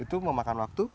itu memakan waktu